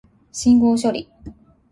信号処理